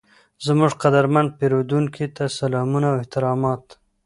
زموږ قدرمن پیرودونکي ته سلامونه او احترامات،